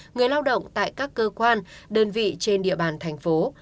người lao động tại các cơ quan đơn vị trên địa bàn thành phố